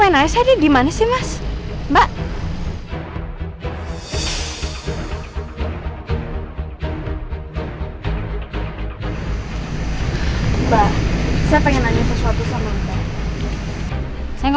ini semuanya ada kenapa sih